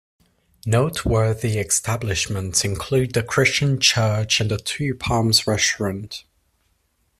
Noteworthy establishments include the Christian Church and the Two Palms Restaurant.